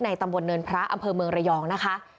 ตำบลเนินพระอำเภอเมืองระยองนะคะ